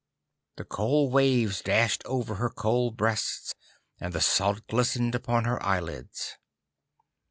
The cold waves dashed over her cold breasts, and the salt glistened upon her eyelids.